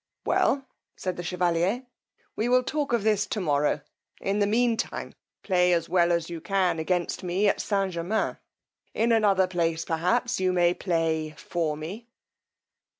Well, said the chevalier, we will talk of this to morrow; in the mean time play as well as you can against me at St. Germains: in another place perhaps you may play for me.